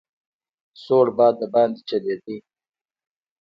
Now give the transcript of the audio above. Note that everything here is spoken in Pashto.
سوړ باد دباندې چلېده.